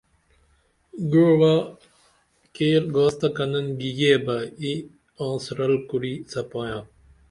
گوعہ کیر گاس تہ کنن گیگے بہ ای انس رل کُری څپائیاں